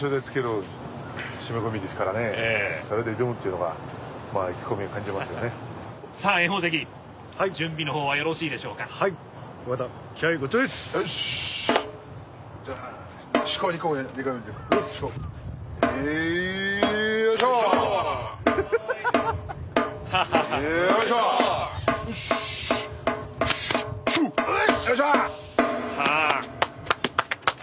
おし！さあ。